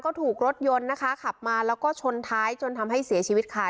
ก็ถูกรถยนต์นะคะขับมาแล้วก็ชนท้ายจนทำให้เสียชีวิตค่ะ